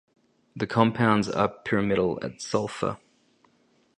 The compounds are pyramidal at sulfur.